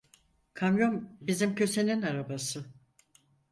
Kamyon bizim Köse'nin arabası…